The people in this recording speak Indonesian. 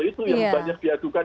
itu yang banyak diadukan